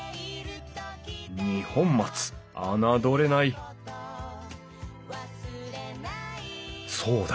二本松侮れないそうだ。